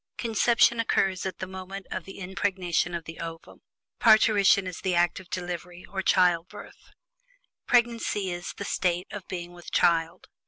Conception occurs at the moment of the impregnation of the ovum; parturition is the act of delivery, or childbirth. Pregnancy is "the state of being with child."